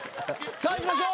さあいきましょう。